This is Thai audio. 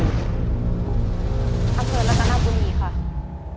อำเภอรัตนบุรีค่ะ